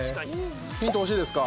ヒント欲しいですか？